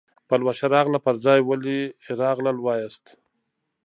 پلوشه راغله پر ځای ولې راغلل وایاست.